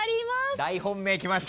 大本命きました。